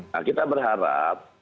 nah kita berharap